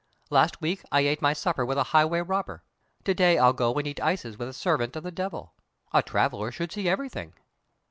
"Last week I ate my supper with a highway robber. To day I'll go and eat ices with a servant of the devil. A traveller should see everything."